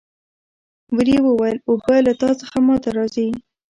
وري وویل اوبه له تا څخه ما ته راځي.